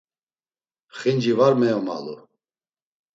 Xinci var meyomalu.